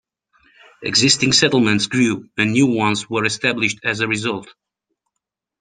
Existing settlements grew and new ones were established as a result.